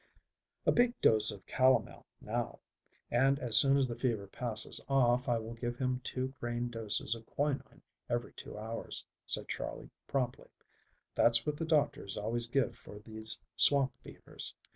"A big dose of calomel now, and as soon as the fever passes off I will give him two grain doses of quinine every two hours," said Charley promptly. "That's what the doctors always give for these swamp fevers.